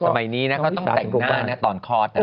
สมัยนี้เขาต้องแต่งหน้าตอนคอด